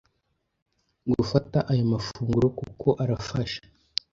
gufata aya mafunguro kuko arafasha